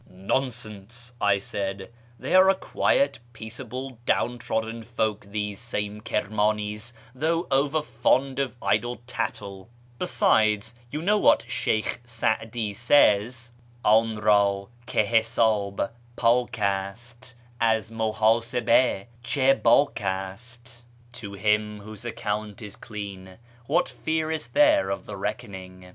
" Nonsense," I said, " they are a quiet, peaceable, down trodden folk, these same Kirmanis, though over fond of idle tattle. Besides you know what Sheykh Sa'di says — 'dn rd ki hisdb pdk ast az mulidsabd cM hdJc ast ?'{' To him whose account is clean what fear is there of the reckoning